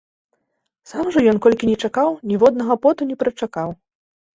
Сам жа ён, колькі ні чакаў, ніводнага поту не прычакаў.